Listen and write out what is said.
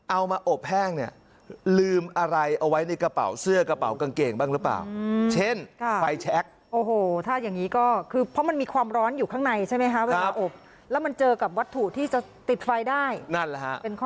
เอามาอบแห้งเนี่ยลืมอะไรเอาไว้ในกระเป๋าเสื้อกระเป๋ากางเกงบ้างหรือเปล่าเช่นไฟแชค